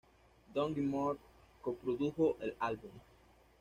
Don Gilmore, coprodujo el álbum.